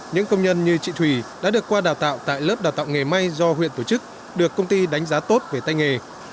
những công nhân như chị thủy đã được qua đào tạo tại lớp đào tạo nghề may do huyện tổ chức được công ty đánh giá tốt về tay nghề